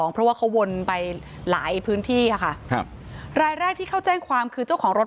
เพราะว่าเขาวนไปหลายพื้นที่อ่ะค่ะครับรายแรกที่เขาแจ้งความคือเจ้าของรถ